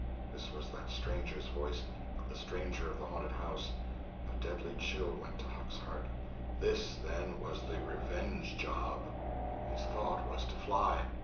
This was that stranger's voice—the stranger of the haunted house. A deadly chill went to Huck's heart—this, then, was the "revenge" job! His thought was, to fly.